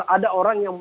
ada orang yang